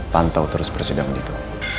pantau terus persidangan itu